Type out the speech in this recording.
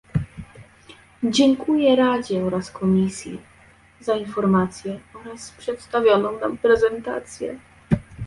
Dziękuję Radzie oraz Komisji za informacje oraz przedstawioną nam prezentację